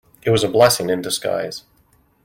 It was a blessing in disguise.